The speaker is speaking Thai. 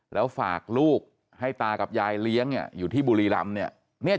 แล้วฝากลูกให้ตากับยายเลี้ยงอยู่ที่บุรีรำเนี่ย